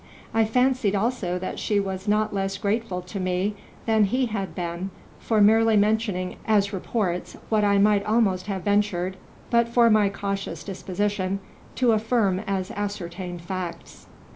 I fancied also that she was not less grateful to me than he had been for merely mentioning as reports what I might almost have ventured, but for my cautious dis position, to affirm as ascertained facts.